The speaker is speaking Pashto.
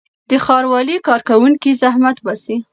د ښاروالۍ کارکوونکي زحمت باسي.